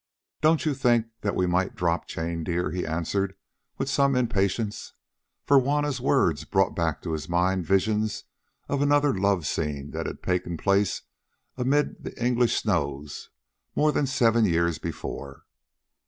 "Don't you think that we might drop Jane, dear?" he answered with some impatience, for Juanna's words brought back to his mind visions of another love scene that had taken place amid the English snows more than seven years before.